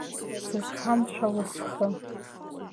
Сызхамшәало схы?